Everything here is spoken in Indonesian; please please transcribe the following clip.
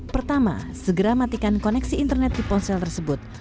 pertama segera matikan koneksi internet di ponsel tersebut